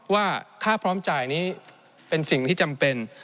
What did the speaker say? ว่าค่าพร้อมจ่ายนี้เป็นสิ่งที่จำเป็น